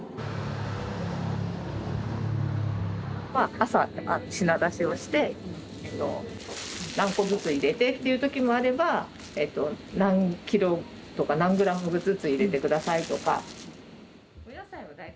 朝品出しをして何個ずつ入れてって言う時もあれば何キロとか何グラムずつ入れて下さいとか。